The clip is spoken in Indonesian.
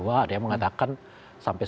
ada yang mengatakan sampai